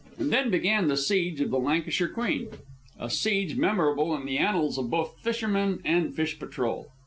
And then began the siege of the Lancashire Queen, a siege memorable in the annals of both fishermen and fish patrol.